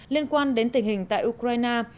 liên quan đến tình hình tại ukraine